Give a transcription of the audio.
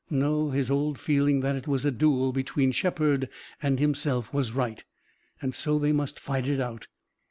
No, his old feeling that it was a duel between Shepard and himself was right, and so they must fight it out.